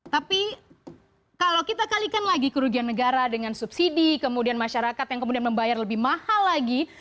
tapi kalau kita kalikan lagi kerugian negara dengan subsidi kemudian masyarakat yang kemudian membayar lebih mahal lagi